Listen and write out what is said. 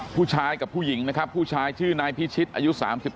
ผู้ชายกับผู้หญิงนะครับผู้ชายชื่อนายพิชิตอายุ๓๙